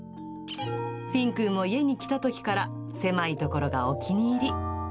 フィンくんも家に来たときから狭いところがお気に入り。